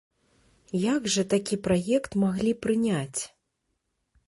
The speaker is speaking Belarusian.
Як жа такі праект маглі прыняць?